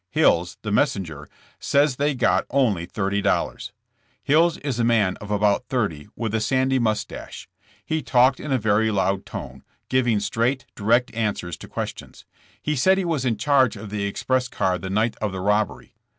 Hills, the messenger, says they got only $30. Hills is a man of about thirty, with a sandy mus tache. He talked in a very loud tone, giving straight, direct answers to questions. He said he was in charge of the express car the night of the rob bery.